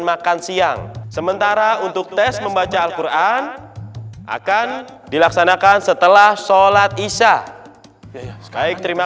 makan siang sementara untuk tes membaca alquran akan dilaksanakan setelah sholat isya'ah